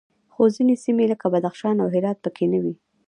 خو ځینې سیمې لکه بدخشان او هرات پکې نه وې